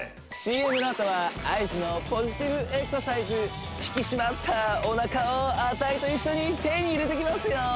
ＣＭのあとはＩＧのポジティブエクササイズ引き締まったおなかをあたいと一緒に手に入れていきますよ